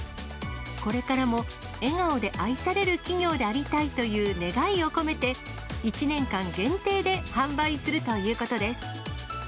これからも笑顔で愛される企業でありたいという願いを込めて、１年間限定で販売するということです。